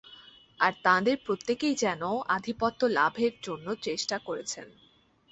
আর তাঁদের প্রত্যেকেই যেন আধিপত্য লাভের জন্য চেষ্টা করছেন।